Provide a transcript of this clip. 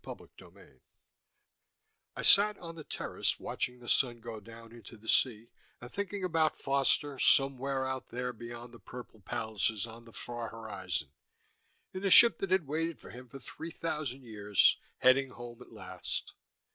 CHAPTER VIII I sat on the terrace watching the sun go down into the sea and thinking about Foster, somewhere out there beyond the purple palaces on the far horizon, in the ship that had waited for him for three thousand years, heading home at last.